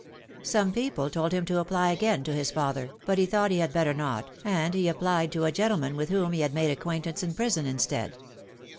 Some people told him to apply again to his father, but he thought he had better not ; and he applied to a gentleman with whom he had made acquaintance in prison instead.